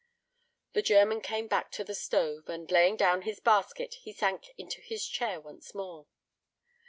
The German came back to the stove, and, laying down his basket, he sank into his chair once more.